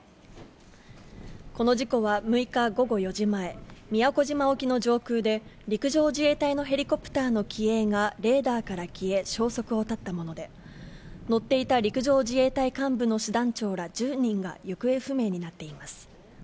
この事故は６日午後４時前、宮古島沖の上空で、陸上自衛隊のヘリコプターの機影がレーダーから消え、消息を絶ったもので、乗っていた陸上自衛隊幹部の師団長ら１０人が行方不明になっています。